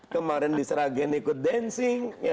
kemarin diseragin ikut dancing